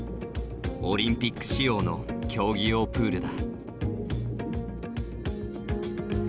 オリンピック仕様の競技用プールだ。